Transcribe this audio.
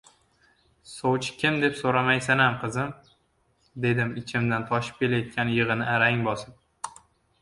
Sovchi kim deb so‘ramaysanam, qizim, - dedim ichimdan toshib kelayotgan yig‘ini arang bosib.